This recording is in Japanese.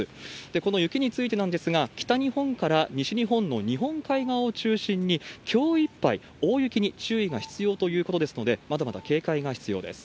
この雪についてなんですが、北日本から西日本の日本海側を中心に、きょういっぱい大雪に注意が必要ということですので、まだまだ警戒が必要です。